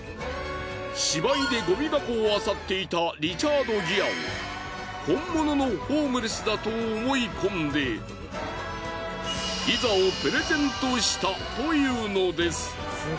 芝居でごみ箱をあさっていたリチャード・ギアを本物のホームレスだと思い込んでピザをプレゼントしたというのです。